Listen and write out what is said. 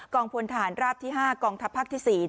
กองพันธหารราภที่๕กองทัพภาคที่๔